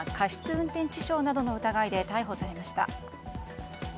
運転致傷などの疑いで逮捕されました。